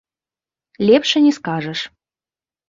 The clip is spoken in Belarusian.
Лепш і не скажаш.